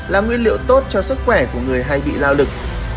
là nguyên liệu tốt cho sức khỏe của người hay bị lao lực